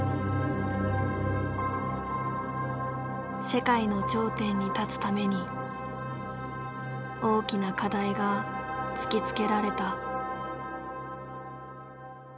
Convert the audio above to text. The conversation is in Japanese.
世界の頂点に立つために大きな課題が突きつけられた。